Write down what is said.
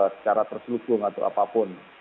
secara terselukung atau apapun